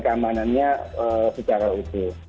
keamanannya secara utuh